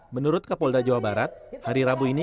menurut kapolda jawa barat hari rabu ini